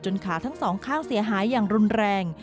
ขาทั้งสองข้างเสียหายอย่างรุนแรง